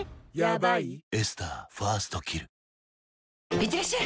いってらっしゃい！